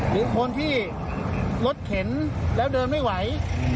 หรือคนที่รถเข็นแล้วเดินไม่ไหว